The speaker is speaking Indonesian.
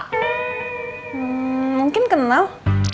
hmm mungkin kenal